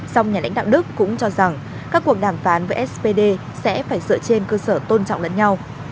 song nhà lãnh đạo đức cũng cho rằng các cuộc đàm phán với spd sẽ phải dựa trên cơ sở tôn trọng lẫn nhau